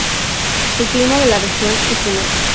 El clima de la región es húmedo.